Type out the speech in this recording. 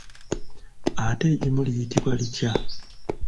Ate eggimu liyitibwa litya?